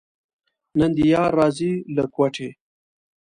نن دې یار راځي له کوټې.